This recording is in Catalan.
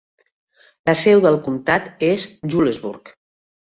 La seu del comtat és Julesburg.